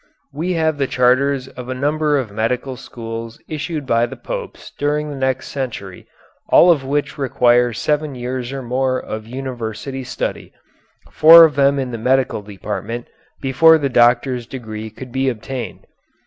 We have the charters of a number of medical schools issued by the Popes during the next century, all of which require seven years or more of university study, four of them in the medical department, before the doctor's degree could be obtained.